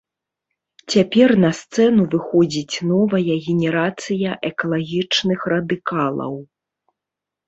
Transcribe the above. Цяпер на сцэну выходзіць новая генерацыя экалагічных радыкалаў.